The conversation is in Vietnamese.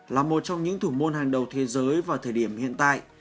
là một trong những thủ môn hàng đầu thế giới vào thời điểm hiện tại